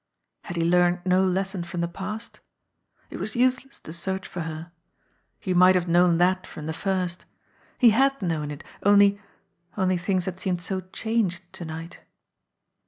Had he learned no lesson from the past? It was useless to search for her. He might have known that from the first ! He had known it, only only things had seemed so changed to night.